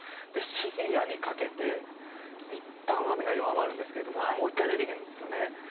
深夜にかけて、いったん雨は弱まるんですけれどももう１回出てくるんですね。